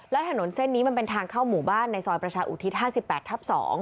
แล้วถนนเส้นนี้มันเป็นทางเข้าหมู่บ้านในซอยประชาอุทิศ๕๘ทับ๒